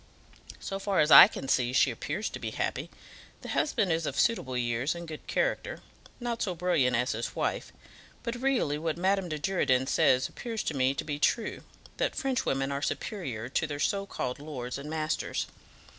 "So far as I can see, she appears to be happy. The husband is of suitable years and good character; not so brilliant as his wife. But really what Madame de Girardin says appears to me to be true, that French women are superior to their so called lords and masters.